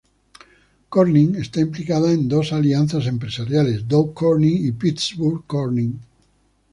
Corning está implicada en dos alianzas empresariales: "Dow Corning" y "Pittsburgh Corning".